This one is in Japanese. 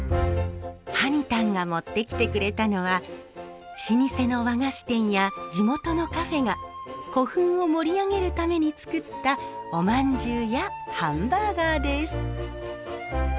はにたんが持ってきてくれたのは老舗の和菓子店や地元のカフェが古墳を盛り上げるために作ったおまんじゅうやハンバーガーです。